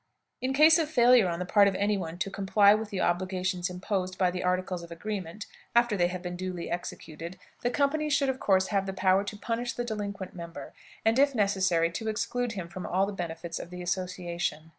In case of failure on the part of any one to comply with the obligations imposed by the articles of agreement after they have been duly executed, the company should of course have the power to punish the delinquent member, and, if necessary, to exclude him from all the benefits of the association.